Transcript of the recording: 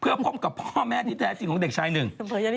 เพื่อพบกับพ่อแม่ที่แท้จริงของเด็กชายหนึ่ง